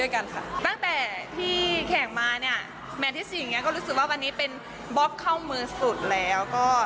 ก็รู้สึกว่าวันนี้เป็นบอล์กเข้ามือสุดแล้ว